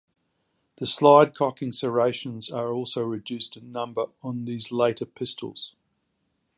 The slide cocking serrations are also reduced in number on these later pistols.